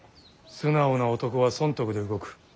素直な男は損得で動く。